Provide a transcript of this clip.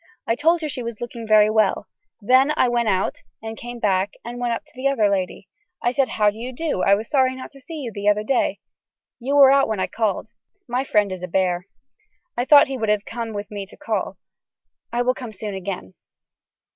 I told her she was looking very well. I then went out and came back and went up to the other lady. I said how do you do I was sorry not to see you the other day. You were out when I called. My friend is a bear. I thought he would have come with me to call. I will come soon again.